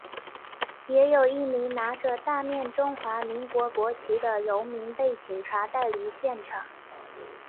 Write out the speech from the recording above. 也有一名拿着大面中华民国国旗的荣民被警察带离现场。